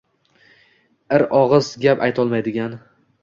ir og‘iz gap aytolmaydigan